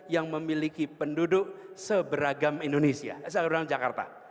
yang memiliki penduduk seberagam jakarta